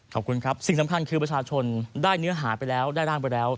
ขอบคุณครับสิ่งสำคัญคือประชาชนได้เนื้อหาไปแล้วได้ร่างไปแล้ว